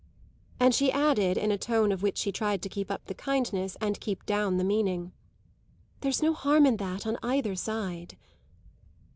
And she added in a tone of which she tried to keep up the kindness and keep down the meaning: "There's no harm in that on either side."